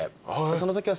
そのときは。